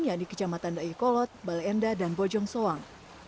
yaitu kecamatan dayakolot baleenda dan bojong soang